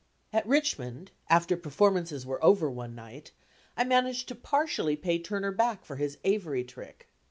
At Richmond, after performances were over one night, I managed to partially pay Turner for his Avery trick.